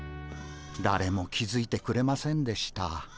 だれも気付いてくれませんでした。